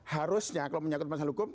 harusnya kalau menyangkut masalah hukum